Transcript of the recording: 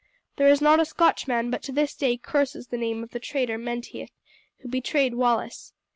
There is not a Scotchman but to this day curses the name of the traitor Menteith, who betrayed Wallace.